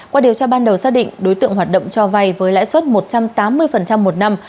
qua điều tra ban đầu xác định đối tượng hoạt động cho vay với lãi suất một trăm tám mươi một năm